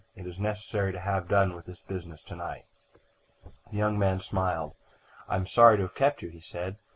"It is necessary to have done with this business to night." The young man smiled. "I am sorry to have kept you," he said.